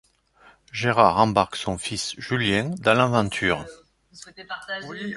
Gérard embarque son fils Julien dans l'aventure.